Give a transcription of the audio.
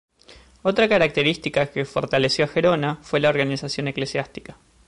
Otra característica que fortaleció a Gerona fue la organización eclesiástica.